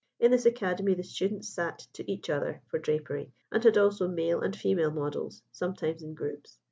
In this academy the students sat to each other for drapery, and had also male and female models sometimes in groups.